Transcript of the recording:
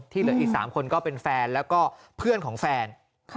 เหลืออีก๓คนก็เป็นแฟนแล้วก็เพื่อนของแฟน